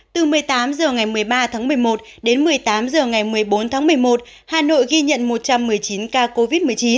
từ một mươi tám h ngày một mươi ba tháng một mươi một đến một mươi tám h ngày một mươi bốn tháng một mươi một hà nội ghi nhận một trăm một mươi chín ca covid một mươi chín